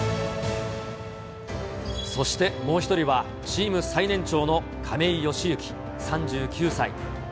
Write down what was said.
そしてもう一人は、チーム最年長の亀井善行３９歳。